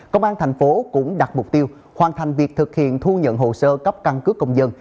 công an tp hcm cũng đặt mục tiêu hoàn thành việc thực hiện thu nhận hồ sơ cấp căn cứ công dân